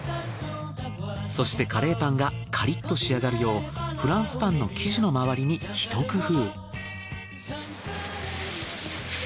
そしてカレーパンがカリッと仕上がるようフランスパンの生地の周りに一工夫。